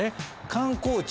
観光地